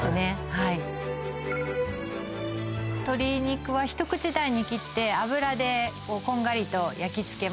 はい鶏肉は一口大に切って油でこんがりと焼き付けます